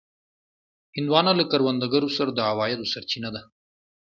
هندوانه له کروندګرو سره د عوایدو سرچینه ده.